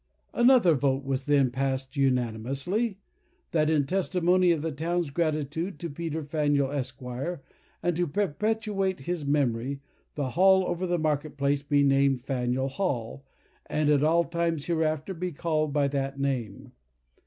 Another vote was then passed unanimously, "that, in testimony of the town's gratitude to Peter Faneuil, Esq., and to perpetuate his memory, the hall over the market place be named Faneuil Hall, and at all times hereafter be called by that name."